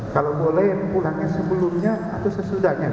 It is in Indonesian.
kalau boleh yang pulangnya sebelumnya atau sesudahnya